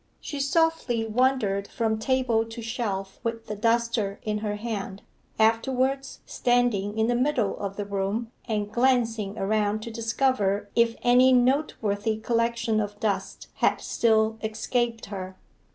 She softly wandered from table to shelf with the duster in her hand, afterwards standing in the middle of the room, and glancing around to discover if any noteworthy collection of dust had still escaped her.